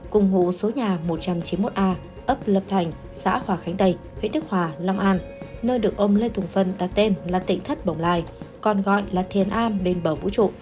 cùng ngụ số nhà một trăm chín mươi một a ấp lập thành xã hòa khánh tây huyện đức hòa long an nơi được ông lê tùng phân đặt tên là tỉnh thất bồng lai còn gọi là thiên an bên bờ vũ trụ